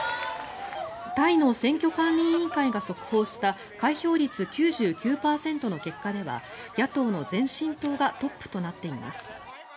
タイの選挙管理委員会が速報した開票率９９％の結果では野党の前進党がトップとなっています。